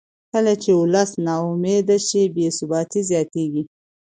کله چې ولس نا امیده شي بې ثباتي زیاتېږي